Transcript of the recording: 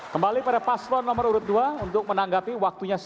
kembali pada paslon nomor urut dua untuk menanggapi waktunya